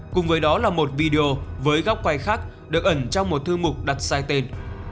cùng với đó là một video với góc quay khác được ẩn trong một thư mục đặt sai tên